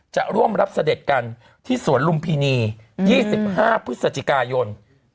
จะร่วมรับเสด็จกันที่สวนลุมพินี๒๕พฤศจิกายน